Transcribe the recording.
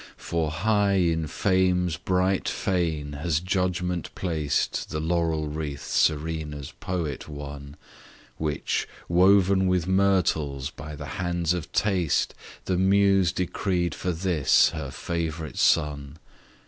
For high in Fame's bright fane has Judgment placed The laurel wreath Serena's poet won, Which, woven with myrtles by the hands of Taste, The Muse decreed for this her favourite son.